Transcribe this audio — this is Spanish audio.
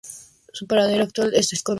Su paradero actual es desconocido.